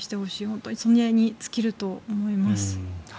本当にそれに尽きると思います。